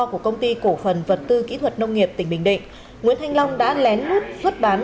của công ty cổ phần vật tư kỹ thuật nông nghiệp tỉnh bình định nguyễn thanh long đã lén lút xuất bán